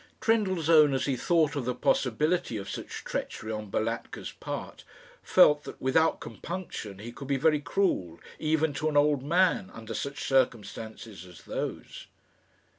Trendellsohn, as he thought of the possibility of such treachery on Balatka's part, felt that, without compunction, he could be very cruel, even to an old man, under such circumstances as those.